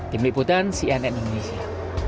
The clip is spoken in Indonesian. tim liputan cnn indonesia